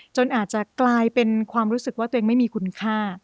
จนอาจจะกลายเป็นความรู้สึกว่าตัวเองไม่มีคุณค่า